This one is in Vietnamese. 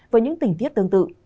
với những tình tiết tương tự